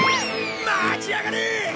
待ちやがれ！